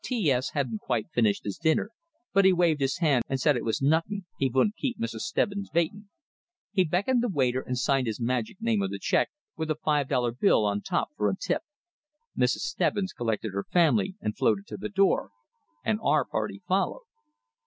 T S hadn't quite finished his dinner, but he waved his hand and said it was nuttin', he vouldn't keep Mrs. Stebbins vaitin'. He beckoned the waiter, and signed his magic name on the check, with a five dollar bill on top for a tip. Mrs. Stebbins collected her family and floated to the door, and our party followed.